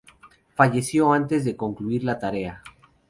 Falleció antes de concluir la tarea.